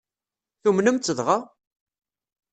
Tumnem-tt dɣa?